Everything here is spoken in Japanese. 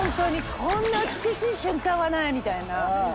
「こんな美しい瞬間はない」みたいな。